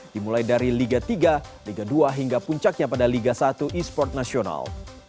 dimulai dari liga tiga liga dua hingga puncaknya pada liga satu e sport nasional